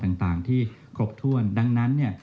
ทางต่างที่ครบถ้วนดังนั้น